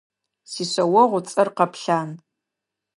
Сишъэогъу ыцӏэр Къэплъан.